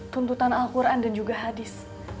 tuntutan al quran dan juga hadis